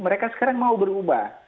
mereka sekarang mau berubah